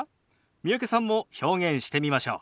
三宅さんも表現してみましょう。